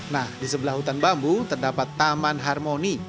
nah di sebelah hutan bambu terdapat taman harmoni